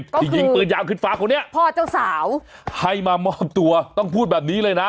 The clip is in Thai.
ที่ยิงปืนยาวขึ้นฟ้าคนนี้พ่อเจ้าสาวให้มามอบตัวต้องพูดแบบนี้เลยนะ